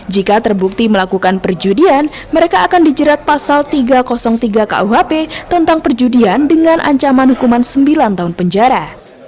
jika terbukti melakukan perjudian mereka akan dijerat pasal tiga ratus tiga kuhp tentang perjudian dengan ancaman hukuman sembilan tahun penjara